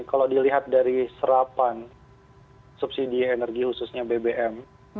kalau dilihat dari serapan subsidi energi khususnya bbm